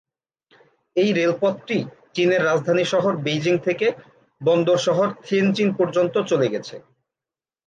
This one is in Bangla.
এই রেলপথটি চীনের রাজধানী শহর বেইজিং থেকে বন্দর শহর থিয়েনচিন পর্যন্ত চলে গেছে।